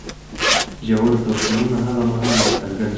ژور توپیرونه هغه مهال راڅرګند شول